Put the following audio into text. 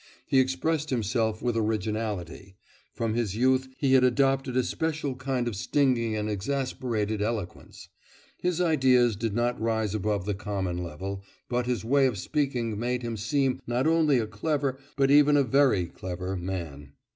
He expressed himself with originality; from his youth he had adopted a special kind of stinging and exasperated eloquence. His ideas did not rise above the common level; but his way of speaking made him seem not only a clever, but even a very clever, man.